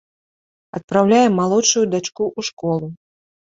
Адпраўляем малодшую дачку ў школу.